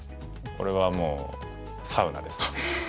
それはもうサウナです。